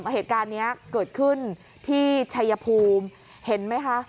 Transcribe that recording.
เหตุการณ์นี้เกิดขึ้นที่ชัยภูมิเห็นไหมคะ